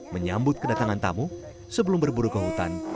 menyambut kedatangan tamu sebelum berburu ke hutan